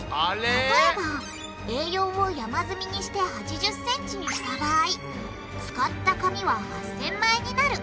例えばＡ４を山積みにして８０ｃｍにした場合使った紙は８０００枚になる。